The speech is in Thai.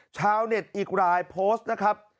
เช้าแจ่งอีกรายโพสต์นะครับ